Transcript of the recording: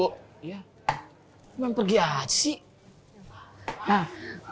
bagaimana pergi aja sih